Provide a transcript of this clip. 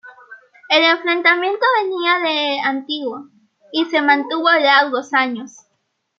El enfrentamiento venía de antiguo, y se mantuvo largos años.